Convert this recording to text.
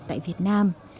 tại việt nam